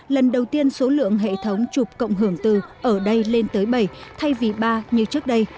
lần đầu tiên số lượng hệ thống chụp cộng hưởng từ ở đây lên tới bảy thay vì ba như trước đây